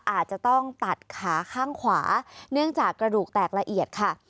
อาจจะต้องตัดขาข้างขวาเนื่องจากกระดูกแตกละเอียดค่ะ